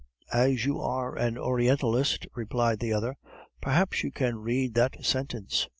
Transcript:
"As you are an Orientalist," replied the other, "perhaps you can read that sentence."